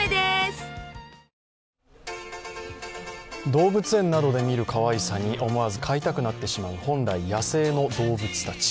動物園などで見るかわいさに思わず飼いたくなってしまう本来野生の動物たち。